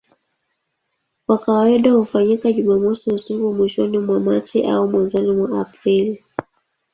Kwa kawaida hufanyika Jumamosi usiku mwishoni mwa Machi au mwanzoni mwa Aprili.